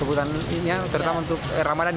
kebutuhan ini ya terutama untuk ramadan ya